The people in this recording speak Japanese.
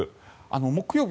木曜日